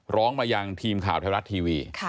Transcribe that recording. ร้องมายังทีมข่าวไทยรัฐทีวี